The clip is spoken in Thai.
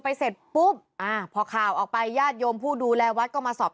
เสร็จปุ๊บอ่าพอข่าวออกไปญาติโยมผู้ดูแลวัดก็มาสอบ